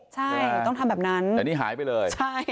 ใช่ต้องทำแบบนั้นแต่นี่หายไปเลย